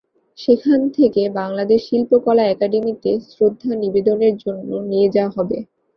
সেখান থেকে বাংলাদেশ শিল্পকলা একাডেমীতে শ্রদ্ধা নিবেদনের জন্য নিয়ে যাওয়া হবে।